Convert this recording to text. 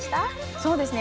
そうですね